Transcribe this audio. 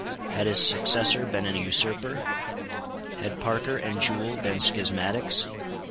Had his successor been an usurper? Had Parker and Jewel been schismatics?